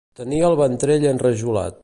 Tenir el ventrell enrajolat.